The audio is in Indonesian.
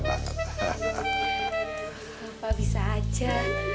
bapak bisa aja